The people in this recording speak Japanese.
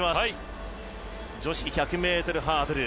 女子１００ｍハードル